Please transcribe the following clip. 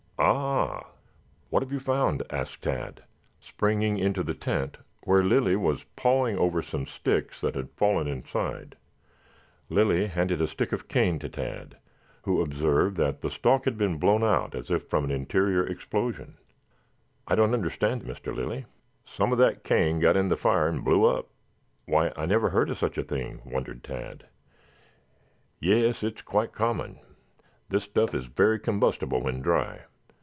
Ah!" "What have you found?" asked Tad, springing into the tent where Lilly was pawing over some sticks that had fallen inside. Lilly handed a stick of cane to Tad, who observed that the stalk had been blown out as if from an interior explosion. "I don't understand, Mr. Lilly." "Some of that cane got in the fire and blew up." "Why, I never heard of such a thing," wondered Tad. "Yes, it is quite common. This stuff is very combustible when dry.